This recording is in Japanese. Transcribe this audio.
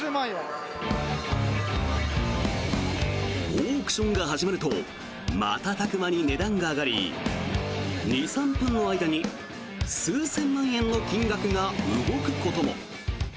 オークションが始まると瞬く間に値段が上がり２３分の間に数千万円の金額が動くことも。